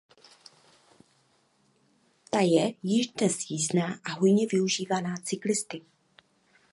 Ta je již dnes sjízdná a hojně využívaná cyklisty.